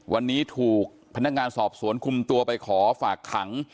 วันนี้ถูกพนักงานสอบสวนคุมตัวไปขอฝากขัง